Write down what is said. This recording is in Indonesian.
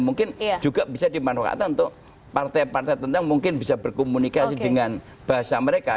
mungkin juga bisa dimanfaatkan untuk partai partai tentang mungkin bisa berkomunikasi dengan bahasa mereka